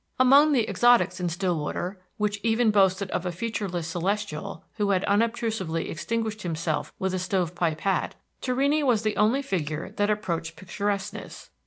Among the exotics in Stillwater, which even boasted a featureless Celestial, who had unobtrusively extinguished himself with a stove pipe hat, Torrini was the only figure that approached picturesqueness.